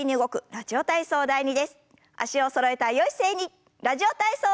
「ラジオ体操第２」。